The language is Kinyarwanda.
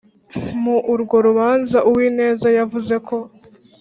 mu urwo rubanza, uwineza yavuze ko